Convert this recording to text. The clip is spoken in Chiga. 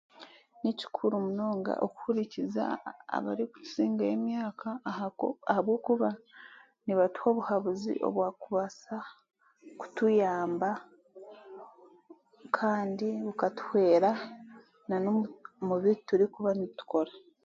Ni kikuru munonga kuhurikiriza abarikukusinga emyaka ahabwokuba nibatuha obuhabuzi oburabaasa kutuyamba kandi bukatuhwera nan'omu nan'omu biturikuba nitukora